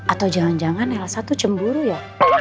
atau jangan jangan elsa tuh cemburu ya